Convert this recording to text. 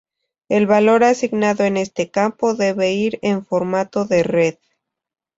El valor asignado en este campo debe ir en formato de red.